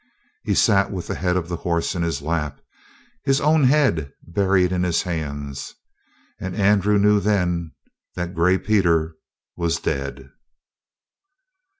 He sat with the head of the horse in his lap, his own head buried in his hands, and Andrew knew then that Gray Peter was dead.